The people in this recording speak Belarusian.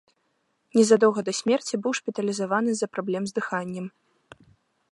Незадоўга да смерці быў шпіталізаваны з-за праблем з дыханнем.